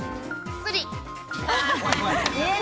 スリ。